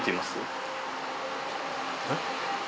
えっ？